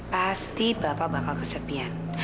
pasti bapak bakal kesepian